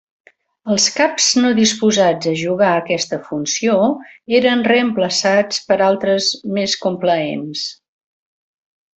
Els caps no disposats a jugar aquesta funció eren reemplaçats per altres més complaents.